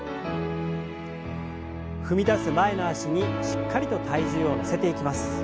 踏み出す前の脚にしっかりと体重を乗せていきます。